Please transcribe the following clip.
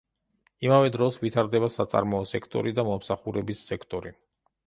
იმავე დროს ვითარდება საწარმოო სექტორი და მომსახურების სექტორი.